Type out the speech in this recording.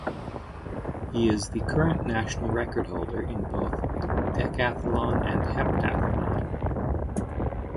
He is the current national record holder in both decathlon and heptathlon.